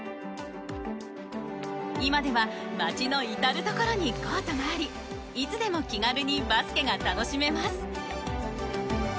今では街の至る所にコートがありいつでも気軽にバスケが楽しめます。